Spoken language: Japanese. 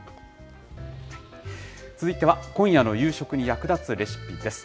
続いては、今夜の夕食に役立つレシピです。